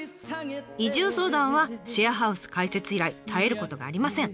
移住相談はシェアハウス開設以来絶えることがありません。